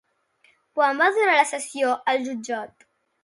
Quant va durar la sessió al jutjat?